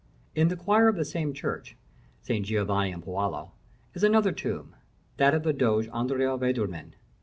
In the choir of the same church, St. Giov. and Paolo, is another tomb, that of the Doge Andrea Vendramin.